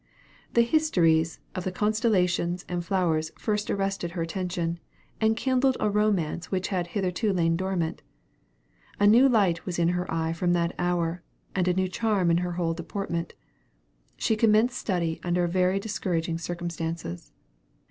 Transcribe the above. The histories of the constellations and flowers first arrested her attention, and kindled a romance which had hitherto lain dormant. A new light was in her eye from that hour, and a new charm in her whole deportment. She commenced study under very discouraging circumstances.